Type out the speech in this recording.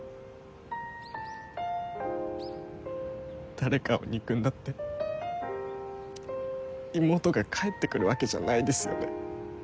誰かを憎んだって妹がかえってくるわけじゃないですよね。